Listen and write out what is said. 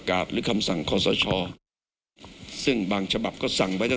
กตบอกไว้ดังนั้นสิ่งที่ไม่แน่ใจก็ไม่ควรทำ